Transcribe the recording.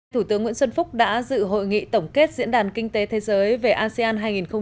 thủ tướng nguyễn xuân phúc đã dự hội nghị tổng kết diễn đàn kinh tế thế giới về asean hai nghìn hai mươi